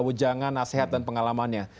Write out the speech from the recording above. wejangan nasihat dan pengalamannya